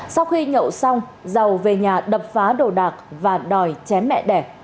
sau khi nhậu xong giàu về nhà đập phá đồ đạc và đòi chém mẹ đẻ